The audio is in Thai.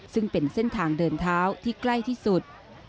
ซึ่งเป็นเส้นทางเดินเท้าที่ใกล้ที่สุด